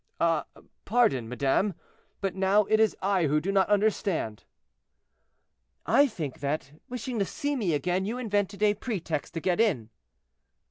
"Ah, pardon, madame, but now it is I who do not understand." "I think that, wishing to see me again, you invented a pretext to get in."